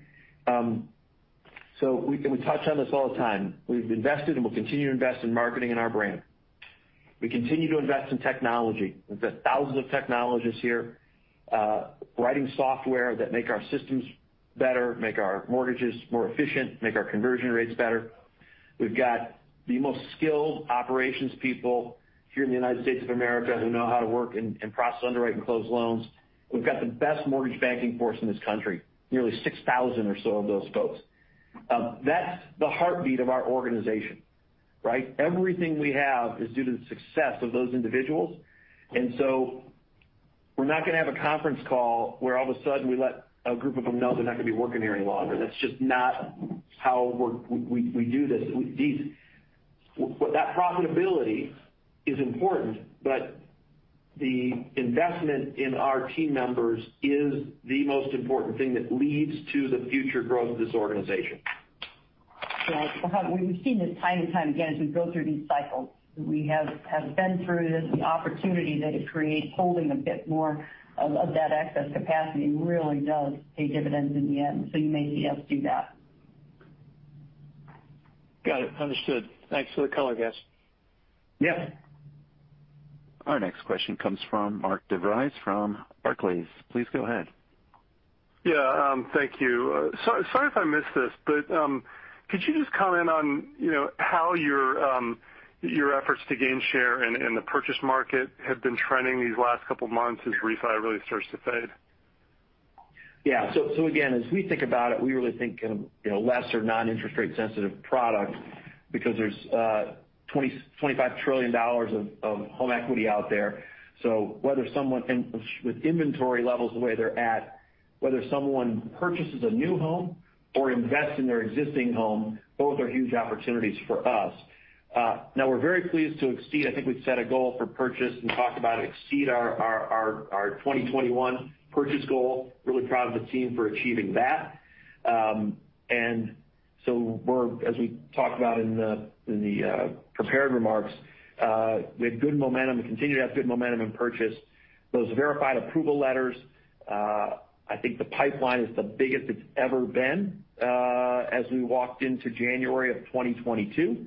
We touch on this all the time. We've invested and we'll continue to invest in marketing and our brand. We continue to invest in technology. We've got thousands of technologists here, writing software that make our systems better, make our mortgages more efficient, make our conversion rates better. We've got the most skilled operations people here in the United States of America who know how to work and process, underwrite and close loans. We've got the best mortgage banking force in this country, nearly 6,000 or so of those folks. That's the heartbeat of our organization, right? Everything we have is due to the success of those individuals. We're not going to have a conference call where all of a sudden we let a group of them know they're not going to be working here any longer. That's just not how we do this. That profitability is important, but the investment in our team members is the most important thing that leads to the future growth of this organization. Right. Well, we've seen this time and time again, as we go through these cycles. We have been through this. The opportunity that it creates, holding a bit more of that excess capacity really does pay dividends in the end. You may yes, do that. Got it. Understood. Thanks for the color, guys. Yeah. Our next question comes from Mark DeVries from Barclays. Please go ahead. Thank you. Sorry if I missed this, but could you just comment on, you know, how your efforts to gain share in the purchase market have been trending these last couple of months as refi really starts to fade? Yeah. Again, as we think about it, we really think in, you know, less or non-interest rate sensitive products because there's $25 trillion of home equity out there. With inventory levels the way they're at, whether someone purchases a new home or invests in their existing home, both are huge opportunities for us. Now we're very pleased to exceed. I think we've set a goal for purchase and talked about exceed our 2021 purchase goal. Really proud of the team for achieving that. As we talked about in the prepared remarks, we had good momentum. We continue to have good momentum in purchase. Those verified approval letters, I think the pipeline is the biggest it's ever been, as we walked into January of 2022.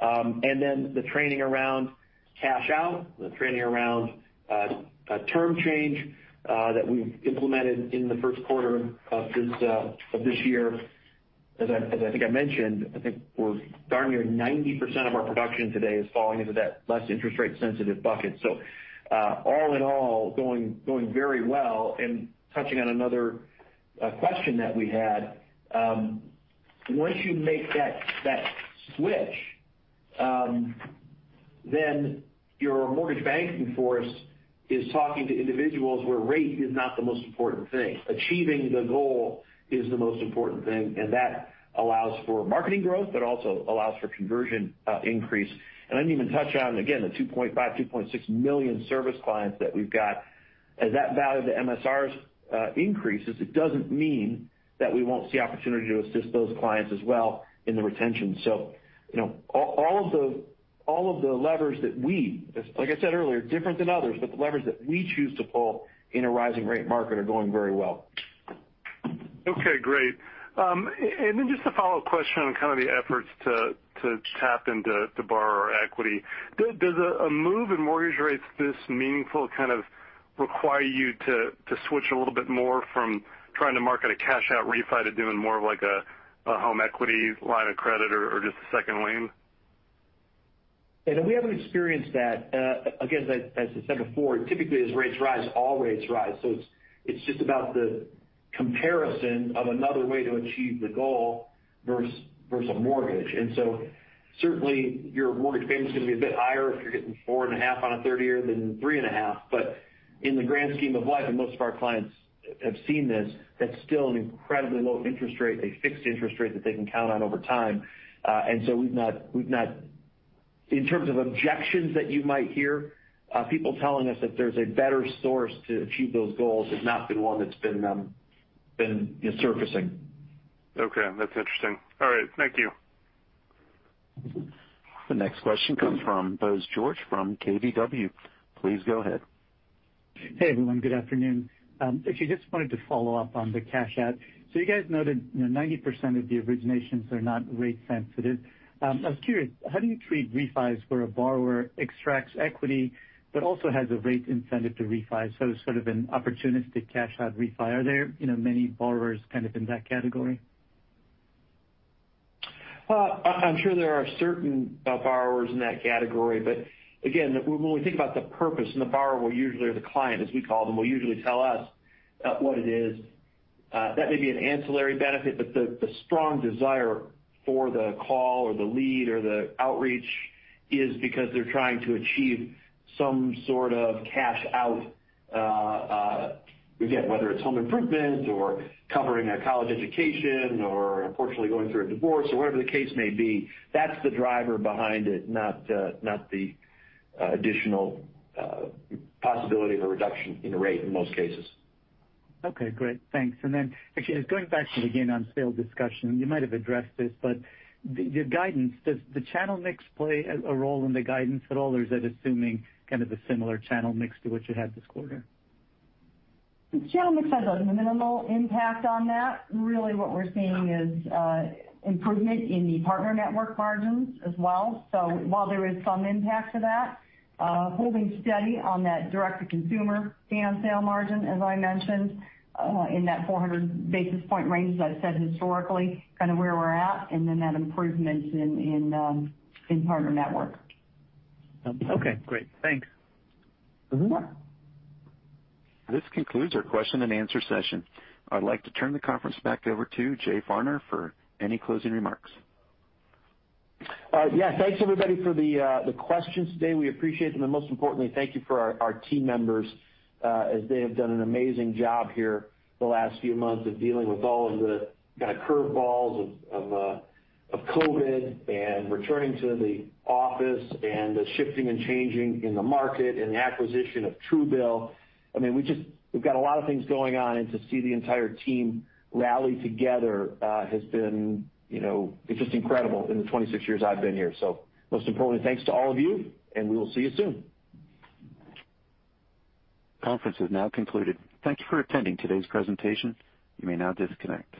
Then the training around cash out, the training around a term change that we've implemented in the first quarter of this year, as I think I mentioned, I think we're darn near 90% of our production today is falling into that less interest rate sensitive bucket. All in all, going very well. Touching on another question that we had, once you make that switch, then your mortgage banking force is talking to individuals where rate is not the most important thing. Achieving the goal is the most important thing, and that allows for marketing growth, but also allows for conversion increase. I didn't even touch on, again, the 2.5 million-2.6 million service clients that we've got. As that value of the MSRs increases, it doesn't mean that we won't see opportunity to assist those clients as well in the retention. You know, all of the levers that we, like I said earlier, different than others, but the levers that we choose to pull in a rising rate market are going very well. Okay, great. And then just a follow-up question on kind of the efforts to borrow our equity. Does a move in mortgage rates this meaningful kind of require you to switch a little bit more from trying to market a cash out refi to doing more of like a home equity line of credit or just a second lien? We haven't experienced that. Again, as I said before, typically as rates rise, all rates rise. It's just about the comparison of another way to achieve the goal versus a mortgage. Certainly your mortgage payment is gonna be a bit higher if you're getting four and a half on a 30-year than three and a half. In the grand scheme of life, and most of our clients have seen this, that's still an incredibly low interest rate, a fixed interest rate that they can count on over time. We've not. In terms of objections that you might hear, people telling us that there's a better source to achieve those goals has not been one that's been surfacing. Okay, that's interesting. All right. Thank you. The next question comes from Bose George from KBW. Please go ahead. Hey, everyone. Good afternoon. Actually just wanted to follow up on the cash out. You guys noted, you know, 90% of the originations are not rate sensitive. I was curious, how do you treat refis where a borrower extracts equity but also has a rate incentive to refi, so sort of an opportunistic cash out refi? Are there, you know, many borrowers kind of in that category? Well, I'm sure there are certain borrowers in that category. Again, when we think about the purpose and the borrower will usually, or the client, as we call them, will usually tell us what it is. That may be an ancillary benefit, but the strong desire for the call or the lead or the outreach is because they're trying to achieve some sort of cash out, again, whether it's home improvement or covering a college education or unfortunately going through a divorce or whatever the case may be. That's the driver behind it, not the additional possibility of a reduction in rate in most cases. Okay, great. Thanks. Actually just going back to the gain on sale discussion, you might have addressed this, but your guidance, does the channel mix play a role in the guidance at all, or is it assuming kind of a similar channel mix to what you had this quarter? The channel mix has a minimal impact on that. Really what we're seeing is improvement in the Partner Network margins as well. While there is some impact to that, holding steady on that Direct-to-Consumer gain on sale margin, as I mentioned, in that 400 basis points range, as I said historically, kind of where we're at and then that improvement in Partner Network. Okay, great. Thanks. Mm-hmm. This concludes our question and answer session. I'd like to turn the conference back over to Jay Farner for any closing remarks. Yeah, thanks everybody for the questions today. We appreciate them, and most importantly, thank you for our team members as they have done an amazing job here the last few months of dealing with all of the kind of curve balls of COVID and returning to the office and the shifting and changing in the market and the acquisition of Truebill. I mean, we've got a lot of things going on, and to see the entire team rally together has been, you know, it's just incredible in the 26 years I've been here. Most importantly, thanks to all of you, and we will see you soon. Conference is now concluded. Thank you for attending today's presentation. You may now disconnect.